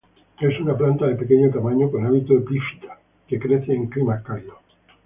Es una planta de pequeño tamaño con hábito epífita que crece en climas cálidos.